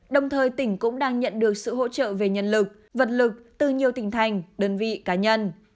đồng thời tỉnh cũng đang nhận được sự hỗ trợ về nhân lực vật lực từ nhiều tỉnh thành đơn vị cá nhân